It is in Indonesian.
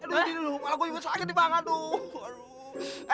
malah gue juga sakit nih banget loh